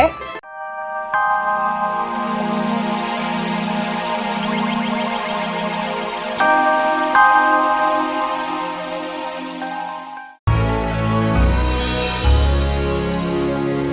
terima kasih udah nonton